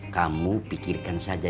kamu pikirkan saja